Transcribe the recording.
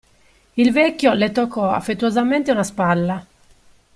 Il vecchio le toccò affettuosamente una spalla.